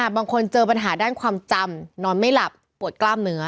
บางคนเจอปัญหาด้านความจำนอนไม่หลับปวดกล้ามเนื้อ